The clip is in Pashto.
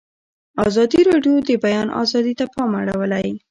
ازادي راډیو د د بیان آزادي ته پام اړولی.